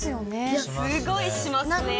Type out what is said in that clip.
いやすっごいしますね！